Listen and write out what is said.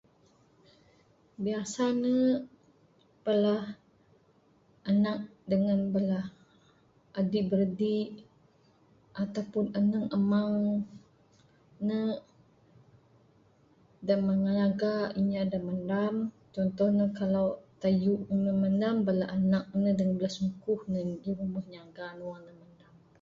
Biasa ne bala anak dangan bala adik biradik ataupun ande amang ne...da menyaga bala inya da manam contoh kalau tayung ne manam bala anak ne dangan bala sungkuh ne da nyaga ne wang ne manam.